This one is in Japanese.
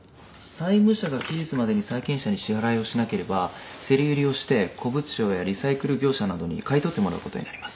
債務者が期日までに債権者に支払いをしなければ競り売りをして古物商やリサイクル業者などに買い取ってもらう事になります。